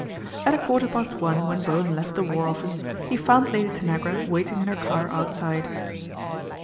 At a quarter past one when Bowen left the War Office, he found Lady Tanagra waiting in her car outside.